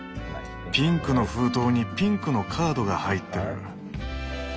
ピンクの封筒にピンクのカードが入ってる。